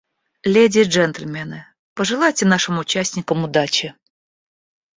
Леди и джентльмены, пожелайте нашим участникам удачи!